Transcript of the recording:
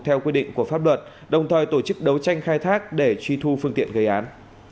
theo quy định của pháp luật đồng thời tổ chức đấu tranh khai thác để truy thu phương tiện gây án